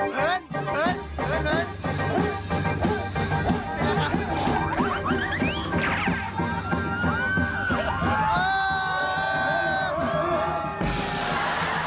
เหนิด